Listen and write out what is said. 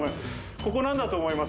ここ、なんだと思います？